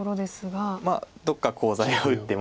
どっかコウ材を打って。